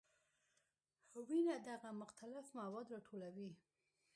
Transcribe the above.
وینه دغه مختلف مواد راټولوي.